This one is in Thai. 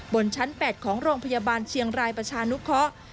บนชั้น๘ของโรงพยาบาลเชียงรายประชานุเคราะห์